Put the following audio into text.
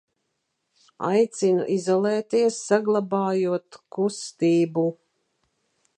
Aicinu izolēties, saglabājot k u s t ī b u !